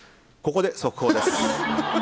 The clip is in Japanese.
ここで速報です。